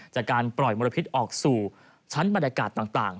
จากการปล่อยมลพิษออกสู่ชั้นบรรยากาศต่าง